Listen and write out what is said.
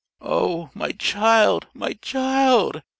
"O my child, my child!"